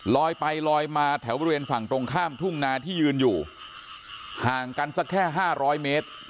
ลอยไปลอยมาแถวบริเวณฝั่งตรงข้ามทุ่งนาที่ยืนอยู่ห่างกันสักแค่๕๐๐เมตร